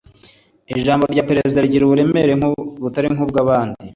ijambo rya perezida rigira uburemere butari nk’ubw’abandi